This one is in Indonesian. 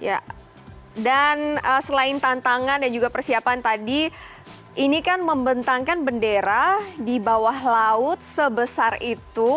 ya dan selain tantangan dan juga persiapan tadi ini kan membentangkan bendera di bawah laut sebesar itu